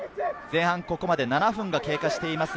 前半ここまで７分が経過しています。